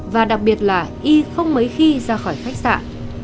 và đặc biệt là y không mấy khi ra khỏi khách sạn